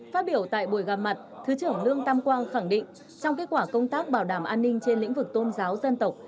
phát biểu tại buổi gặp mặt thứ trưởng lương tam quang khẳng định trong kết quả công tác bảo đảm an ninh trên lĩnh vực tôn giáo dân tộc